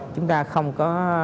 chúng ta không có